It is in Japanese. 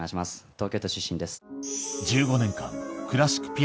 東京都出身です。